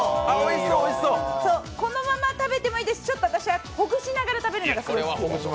このまま食べてもいいですし私はほぐしながら食べるが好き。